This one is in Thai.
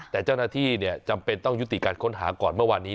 แต่เจ้าหน้าที่จำเป็นต้องยุติการค้นหาก่อนเมื่อวานนี้